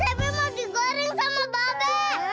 burung cepi mau digoreng sama babek